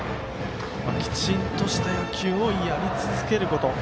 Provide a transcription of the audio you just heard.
きちんとした野球をやり続けること。